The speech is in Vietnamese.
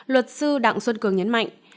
luật sư đặng xuân cường nhấn mạnh